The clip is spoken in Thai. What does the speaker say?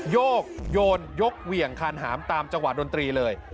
โยกโยนยกเหวี่ยงคานหามตามจังหวะดนตรีเลย